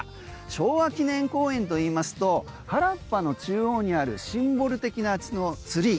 昭和記念公園といいますと原っぱの中央にあるシンボル的なツリー。